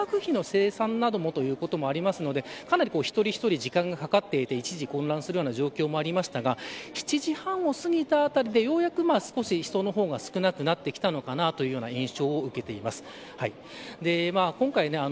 または宿泊費の精算などもということもあるのでかなり一人一人時間がかかっていて一時混乱するような状況もありましたが７時半を過ぎたあたりでようやく人の姿が少なくなってきたのかなとという印象を受けています。